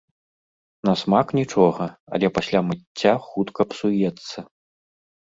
На смак нічога, але пасля мыцця хутка псуецца.